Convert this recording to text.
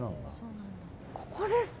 ここです。